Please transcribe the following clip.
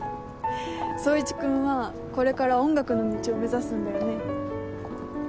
宗一君はこれから音楽の道を目指すんだよね？